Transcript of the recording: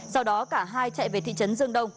sau đó cả hai chạy về thị trấn dương đông